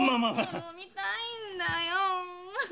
もっと飲みたいんだよ。